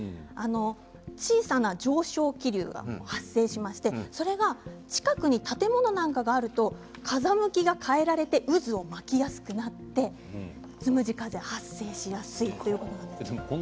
小さな上昇気流が発生しましてそれが近くに建物なんかがあると風向きが変えられて渦が巻きやすくなって、つむじ風が発生しやすくなるんです。